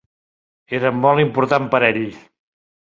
Era molt important per ell.